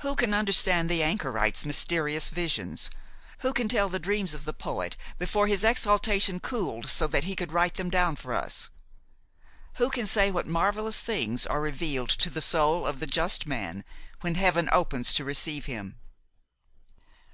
Who can understand the anchorite's mysterious visions? Who can tell the dreams of the poet before his exaltation cooled so that he could write them down for us? Who can say what marvellous things are revealed to the soul of the just man when Heaven opens to receive him?